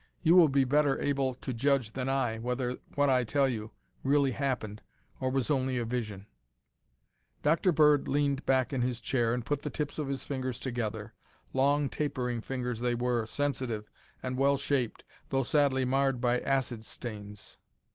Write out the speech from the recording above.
You will be better able to judge than I, whether what I tell you really happened or was only a vision." Dr. Bird leaned back in his chair and put the tips of his fingers together. Long, tapering fingers they were, sensitive and well shaped, though sadly marred by acid stains.